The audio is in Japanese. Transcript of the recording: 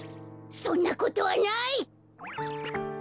そんなことはない！